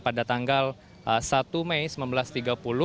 pada tanggal satu mei seribu sembilan ratus tiga puluh